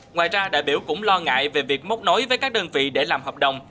ngoài ra đại biểu cũng lo ngại về việc mốc nối với các đơn vị để làm hợp đồng